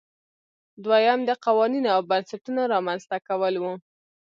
دویم د قوانینو او بنسټونو رامنځته کول وو.